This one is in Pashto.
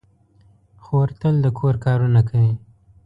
خور تل د کور کارونه کوي.